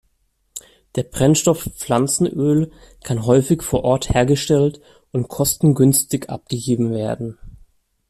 Der Brennstoff Pflanzenöl kann häufig vor Ort hergestellt und kostengünstig abgegeben werden.